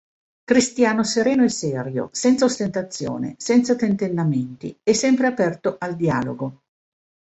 Cristiano sereno e serio, senza ostentazione, senza tentennamenti e sempre aperto al dialogo.